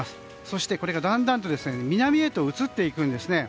そしてだんだんと南へと移っていくんですね。